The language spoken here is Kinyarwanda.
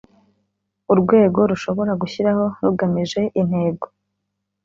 urwego rushobora gushyiraho rugamije intego